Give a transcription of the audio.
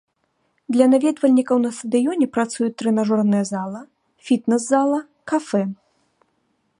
Для наведвальнікаў на стадыёне працуюць трэнажорная зала, фітнес-зала, кафэ.